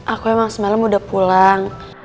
aku emang semalam udah pulang